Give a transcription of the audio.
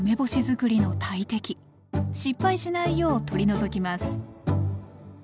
失敗しないよう取り除きます